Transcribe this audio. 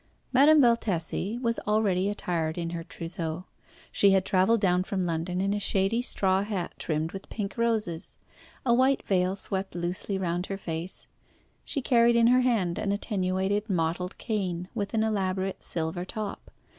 Madame Valtesi was already attired in her trousseau. She had travelled down from London in a shady straw hat trimmed with pink roses. A white veil swept loosely round her face; she carried in her hand an attenuated mottled cane, with an elaborate silver top.